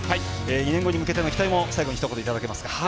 ２年後に向けての期待も最後にひと言いただけますか。